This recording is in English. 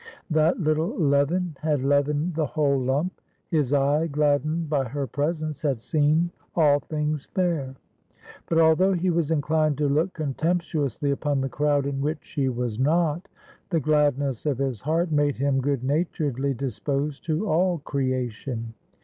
That little leaven had leavened the whole lump. His eye, gladdened by her presence, had seen all things fair. But although he was inclined to look contemptuously upon the crowd in which she was not, the gladness of his heart made him good naturedly disposed to all creation.